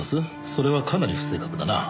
それはかなり不正確だな。